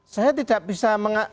saya tidak bisa